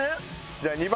じゃあ２番。